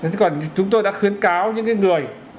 chúng tôi đã khuyến cáo những người